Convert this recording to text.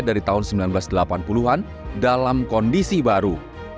dari tahun seribu sembilan ratus delapan puluh an dalam kondisi baru